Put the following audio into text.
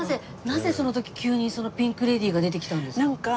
なぜその時急にピンク・レディーが出てきたんですか？